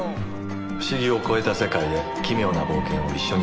「不思議」を超えた世界へ「奇妙」な冒険を一緒にしましょう。